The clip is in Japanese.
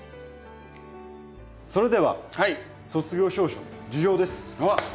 それでは卒業証書授与です。